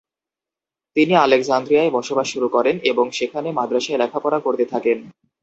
তিনি আলেক্সান্দ্রিয়ায় বসবাস শুরু করেন এবং সেখানে মাদ্রাসায় লেখাপড়া করতে থাকেন।